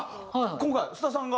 今回須田さんが？